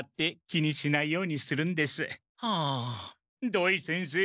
土井先生